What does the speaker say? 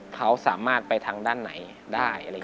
เขาสามารถไปทางด้านไหนได้อะไรอย่างนี้